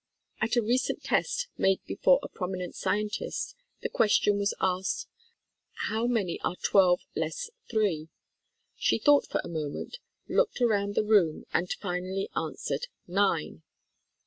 At a recent test made before a prominent scientist, the question was asked, "How many are 12 less 3 ?" She thought for a moment, looked around the room and finally answered, "Nine."